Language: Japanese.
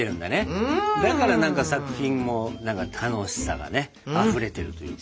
だから何か作品も楽しさがねあふれてるっていうか。